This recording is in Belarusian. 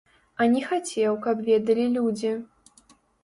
А не хацеў, каб ведалі людзі.